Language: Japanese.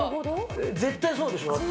絶対そうでしょ？だって。